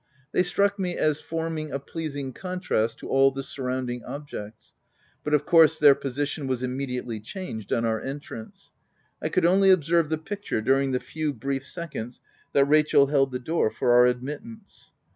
They struck me as forming a pleasing contrast to all the surrounding ob 116 THE TENANT jects ; but of course their position was im mediately changed on our entrance ; I could only observe the picture during the few brief seconds that Rachel held the door for our ad mittance.